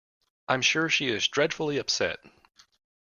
I'm sure she is dreadfully upset.